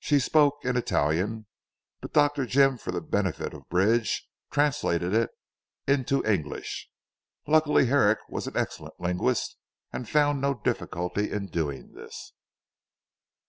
She spoke in Italian, but Dr. Jim for the benefit of Bridge translated it into English. Luckily Herrick was an excellent linguist and found no difficulty in doing this.